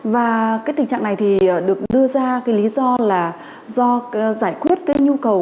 và tình trạng này được đưa ra lý do là do giải quyết nhu cầu